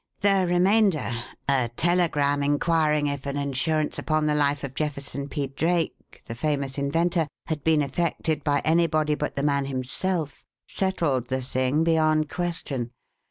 "The remainder, a telegram inquiring if an insurance upon the life of Jefferson P. Drake, the famous inventor, had been effected by anybody but the man himself, settled the thing beyond question.